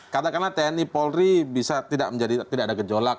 katakanlah tni polri bisa tidak ada gejolak